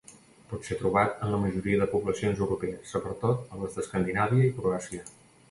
Pot ser trobat en la majoria de poblacions europees, sobretot a les d'Escandinàvia i Croàcia.